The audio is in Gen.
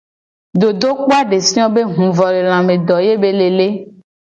Dodokpo a de fio be huvolelame be do ye be le le.